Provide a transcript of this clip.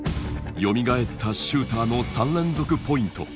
よみがえったシューターの３連続ポイント。